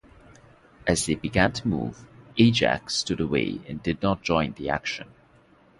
As they began to move, "Ajax" stood away and did not join the action.